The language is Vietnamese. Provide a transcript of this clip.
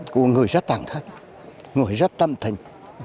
cựu là người rất tạm thật người rất tâm tình